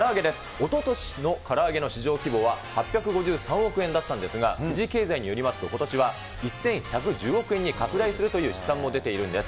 おととしのから揚げの市場規模は８５３億円だったんですが、ふじ経済によりますと、ことしは１１００億円に拡大するという試算も出ているんです。